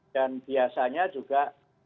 dan biasanya juga